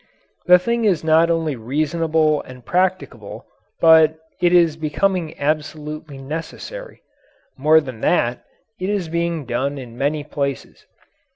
The thing is not only reasonable and practicable, but it is becoming absolutely necessary. More than that, it is being done in many places.